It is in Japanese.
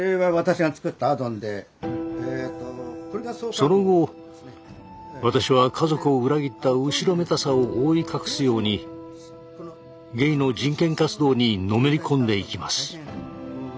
その後私は家族を裏切った後ろめたさを覆い隠すようにゲイの人権活動にのめり込んでいきます。